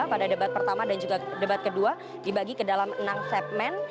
pada debat pertama dan juga debat kedua dibagi ke dalam enam segmen